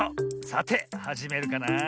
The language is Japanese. さてはじめるかなあ。